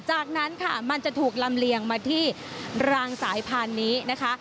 จากนั้นค่ะมันจะถูกลำเลียงมาที่รางสายพานนี้นะคะ